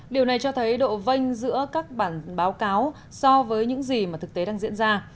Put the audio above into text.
điều này cho thấy độ vanh giữa các bản báo cáo so với những gì mà thực tế đang diễn ra